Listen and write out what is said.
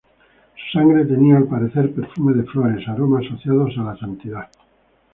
Su sangre tenía al parecer perfume de flores, aroma asociado a la santidad.